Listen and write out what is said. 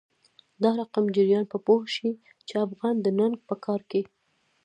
دادقم چړیان به پوه شی، چی افغان د ننګ په کار کی